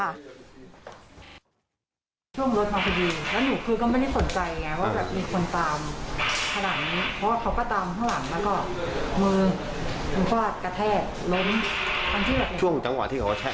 แล้วเรื่องอะไรเรื่องกระทืบแล้วอะไรกันแล้ว